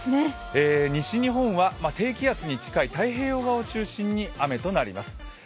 西日本は、低気圧に近い太平洋側を中心に雨となります。